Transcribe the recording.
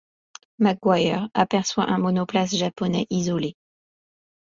Mc Guire aperçoit un monoplace japonais isolé.